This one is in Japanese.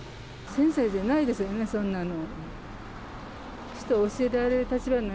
先生じゃないですよね、そんなの。